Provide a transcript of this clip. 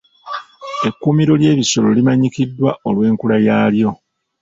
Ekkuumiro ly'ebisolo limanyikiddwa olw'enkula yaalyo .